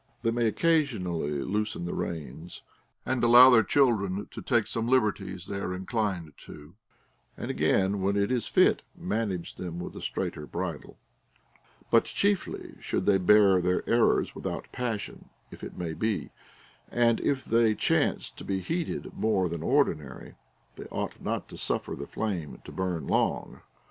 They may occasionally loosen the reins, and allow their children to take some liberties they are inclined to, and again, when it is fit, manage them with a straighter bridle. But chiefly should they bear their errors without passion, if it may be ; and if they chance to be heated more than ordinary, they ou^ht not to sufier the flame to burn long.